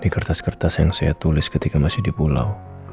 di kertas kertas yang saya tulis ketika masih di pulau